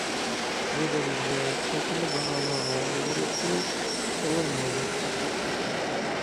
بۇ دەرىجىدە چاكىنا باھالارغا يۇغۇرۇپ تۇرۇپ تاۋار مالدەك تەشۋىق قىلىنغان.